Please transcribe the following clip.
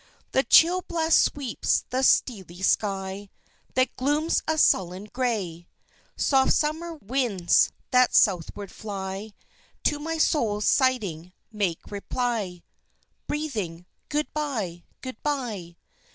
The chill blast sweeps the steely sky That glooms a sullen gray; Soft summer winds that Southward fly To my soul's sighing make reply Breathing "Good bye, good bye!"